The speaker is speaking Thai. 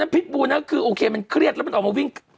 พิษบูนะคือโอเคมันเครียดแล้วมันออกมาวิ่ง